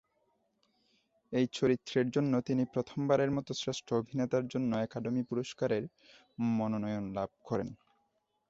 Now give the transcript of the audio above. এই চরিত্রের জন্য তিনি প্রথমবারের মত শ্রেষ্ঠ অভিনেতার জন্য একাডেমি পুরস্কারের মনোনয়ন লাভ করেন।